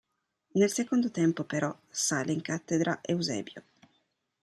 Nel secondo tempo, però, sale in cattedra Eusébio.